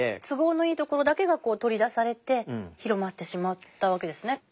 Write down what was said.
都合のいい所だけが取り出されて広まってしまったわけですね。